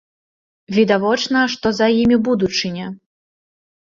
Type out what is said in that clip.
Відавочна, што за імі будучыня.